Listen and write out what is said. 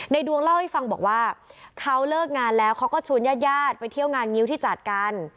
ดวงเล่าให้ฟังบอกว่าเขาเลิกงานแล้วเขาก็ชวนญาติญาติไปเที่ยวงานงิ้วที่จัดกัน